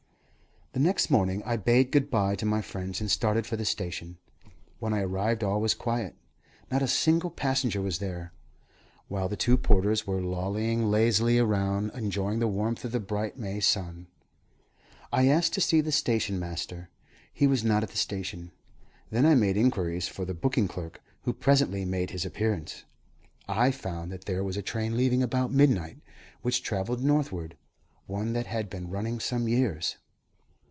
The next morning I bade good bye to my friends, and started for the station. When I arrived all was quiet. Not a single passenger was there, while the two porters were lolling lazily around, enjoying the warmth of the bright May sun. I asked to see the station master; he was not at the station. Then I made inquiries for the booking clerk, who presently made his appearance. I found that there was a train leaving about midnight, which travelled northward, one that had been running some years.